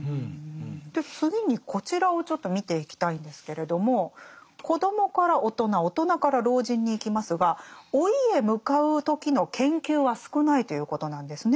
で次にこちらをちょっと見ていきたいんですけれども子どもから大人大人から老人にいきますが老いへ向かう時の研究は少ないということなんですね。